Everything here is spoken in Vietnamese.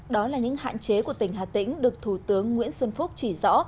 đó là những hạn chế của tỉnh hà tĩnh được thủ tướng nguyễn xuân phúc chỉ rõ